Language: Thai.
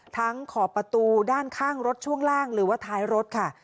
ขอบประตูด้านข้างรถช่วงล่างหรือว่าท้ายรถค่ะ